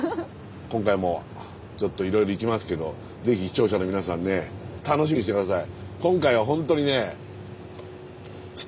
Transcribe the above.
今回もちょっといろいろ行きますけどぜひ視聴者の皆さんね楽しみにして下さい。